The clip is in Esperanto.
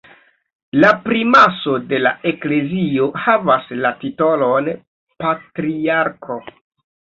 La primaso de la eklezio havas la titolon patriarko.